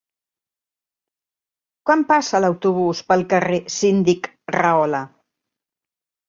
Quan passa l'autobús pel carrer Síndic Rahola?